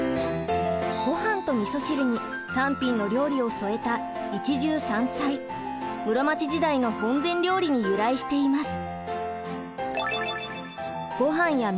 ごはんとみそ汁に３品の料理を添えた室町時代の本膳料理に由来しています。